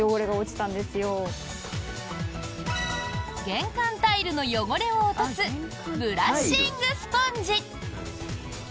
玄関タイルの汚れを落とすブラッシングスポンジ。